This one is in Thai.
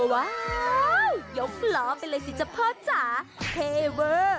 ว้าวยกล้อไปเลยสิจับพ่อจ๋าเท่ว